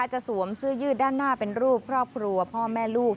สวมเสื้อยืดด้านหน้าเป็นรูปครอบครัวพ่อแม่ลูก